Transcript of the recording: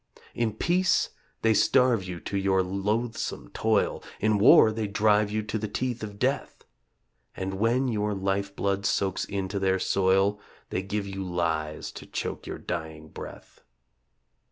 In peace they starve you to your loathsome toil, In war they drive you to the teeth of Death; And when your life blood soaks into their soil They give you lies to choke your dying breath.